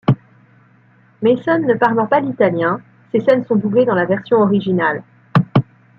Mason ne parlant pas l’italien, ses scènes sont doublées dans la version originale.